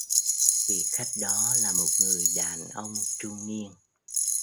Vị Khách Đó là một người đàn ông trung niên